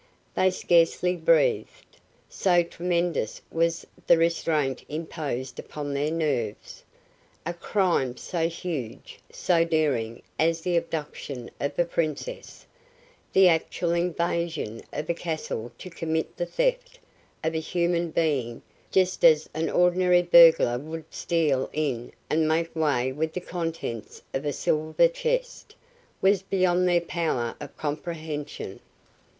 They scarcely breathed, so tremendous was the restraint imposed upon their nerves. A crime so huge, so daring as the abduction of a Princess, the actual invasion of a castle to commit the theft of a human being just as an ordinary burglar would steal in and make way with the contents of a silver chest, was beyond their power of comprehension.